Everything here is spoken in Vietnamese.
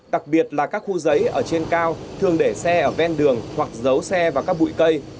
đặc biệt là các khu giấy ở trên cao thường để xe ở ven đường hoặc giấu xe vào các bụi cây